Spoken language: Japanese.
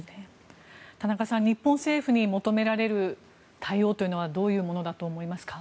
田中さん日本政府に求められる対応というのはどういうものだと思いますか。